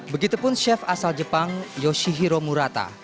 begitupun chef asal jepang yoshihiro murata